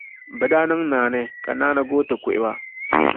Bɛ daa niŋ naani, ka naani goo ti kuhi ba.